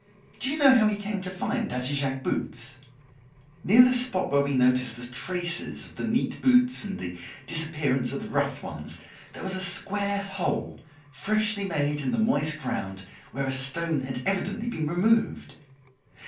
Do you know how he came to find Daddy Jacques's boots? Near the spot where we noticed the traces of the neat boots and the disappearance of the rough ones, there was a square hole, freshly made in the moist ground, where a stone had evidently been removed.